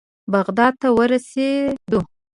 بغداد ته ورسېدو.